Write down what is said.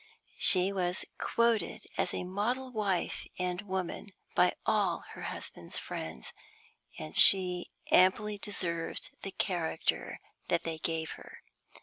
She was quoted as a model wife and woman by all her husband's friends, and she amply deserved the character that they gave her.